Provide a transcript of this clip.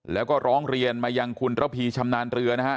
แล้วก็ร้องเรียนมายังคุณระพีชำนาญเรือนะฮะ